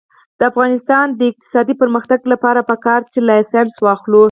د افغانستان د اقتصادي پرمختګ لپاره پکار ده چې لایسنس واخلو.